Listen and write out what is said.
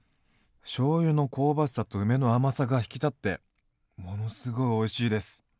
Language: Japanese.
しょうゆの香ばしさと梅の甘さが引き立ってものすごいおいしいです。